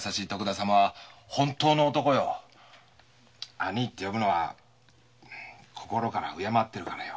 「兄い」って呼ぶのは心から敬ってるからよ。